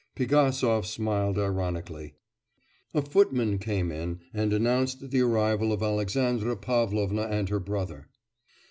Pigasov smiled ironically. A footman came in and announced the arrival of Alexandra Pavlovna and her brother.